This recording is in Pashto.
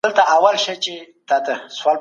سرمایه داري د غریبو دښمنه ده.